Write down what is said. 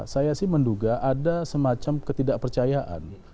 saya sih menduga ada semacam ketidakpercayaan